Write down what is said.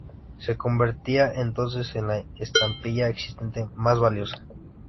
Se convertía entonces en la estampilla existente más valiosa.